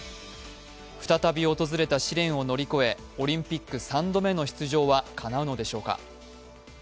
再び訪れた試練を乗り越えオリンピック３度目の出場はかなうのでしょうか？